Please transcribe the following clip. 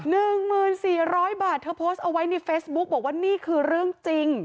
หนึ่งหมื่นสี่ร้อยบาทเธอโพสต์เอาไว้ในเฟซบุ๊กบอกว่านี่คือเรื่องจริง